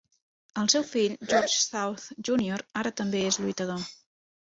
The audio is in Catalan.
El seu fill, George South Junior, ara també és lluitador.